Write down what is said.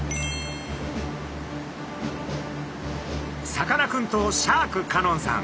さかなクンとシャーク香音さん